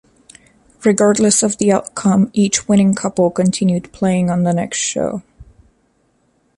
Regardless of the outcome, each winning couple continued playing on the next show.